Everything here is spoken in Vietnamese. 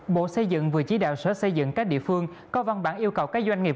bộ xây dựng vừa chỉ đạo sở xây dựng các địa phương có văn bản yêu cầu các doanh nghiệp